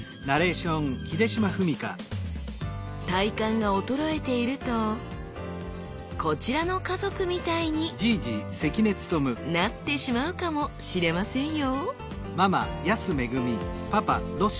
体幹が衰えているとこちらの家族みたいになってしまうかもしれませんよ